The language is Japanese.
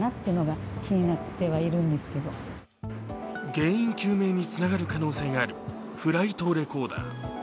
原因究明につながる可能性があるフライトレコーダー。